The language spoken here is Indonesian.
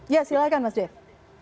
ya silahkan mas dave